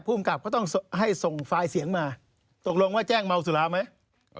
ภูมิกับก็ต้องให้ส่งไฟล์เสียงมาตกลงว่าแจ้งเมาสุราไหม